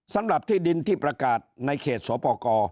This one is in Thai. สำหรับที่ดินที่ประกาศในเขตสปกร